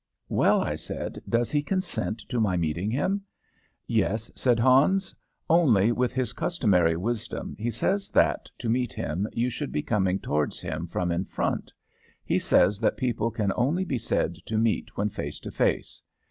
"Well," I said, "does he consent to my meeting him?" "Yes," said Hans. "Only, with his customary wisdom, he says that, to meet him, you should be coming towards him from in front. He says that people can only be said to meet when face to face.